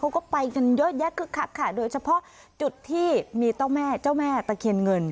เขาก็ไปกันเยอะแยะคึกคักค่ะโดยเฉพาะจุดที่มีเจ้าแม่เจ้าแม่ตะเคียนเงิน